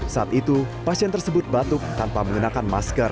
saat itu pasien tersebut batuk tanpa mengenakan masker